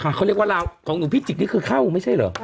เขาเรียกว่าราวของหนูพิจิกนี่คือเข้าไม่ใช่เหรอ